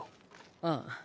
ああ。